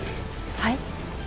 はい？